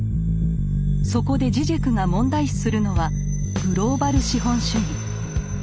そこでジジェクが問題視するのは「グローバル資本主義」。